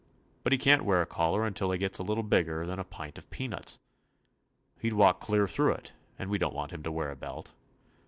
But he can't wear a collar until he gets a lit tle bigger than a pint of peanuts. He 'd walk clear through it, and we don't want him to wear a belt.